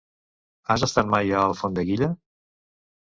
Has estat mai a Alfondeguilla?